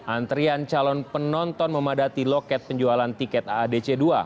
antrian calon penonton memadati loket penjualan tiket aadc dua